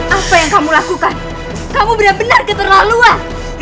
apa yang kamu lakukan kamu benar benar keterlaluan